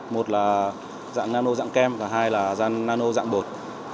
một là nano dạng kem và hai là nano dạng bột